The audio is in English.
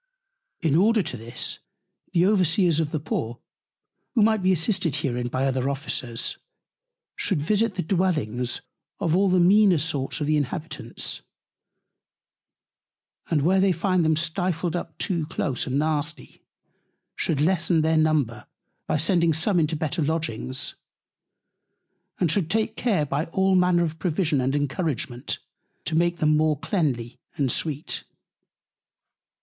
In order to this, the Overseers of the Poor (who might be assisted herein by other Officers) should visit the Dwellings of all the meaner sort of the Inhabitants, and where they find them stifled up too close and nasty, should lessen their Number by sending some into better Lodgings, and should take Care, by all Manner of Provision and Encouragement, to make them more cleanly and sweet.